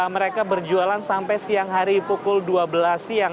mereka berjualan sampai siang hari pukul dua belas siang